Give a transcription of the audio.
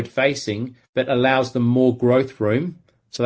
dan kita mengakui bahwa ada kos